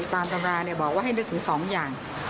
ตามตำราบอกว่าให้นึกถึง๒อย่าง